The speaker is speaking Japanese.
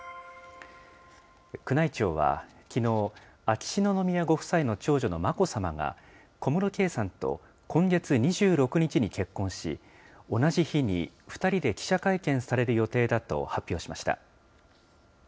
宮内庁はきのう、秋篠宮ご夫妻の長女の眞子さまが、小室圭さんと今月２６日に結婚し、同じ日に２人で記者会見される予定だと発表しました。